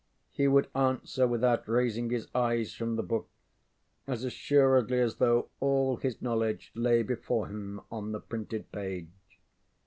He would answer without raising his eyes from the book, as assuredly as though all his knowledge lay before flint on the printed page.